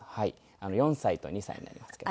４歳と２歳になりますけど。